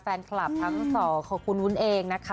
แฟนคลับทั้งสองขอบคุณวุ้นเองนะคะ